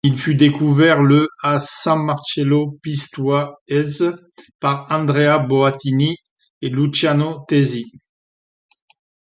Il fut découvert le à San Marcello Pistoiese par Andrea Boattini et Luciano Tesi.